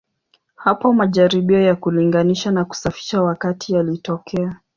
Hapo majaribio ya kulinganisha na kusafisha wakati yalitokea.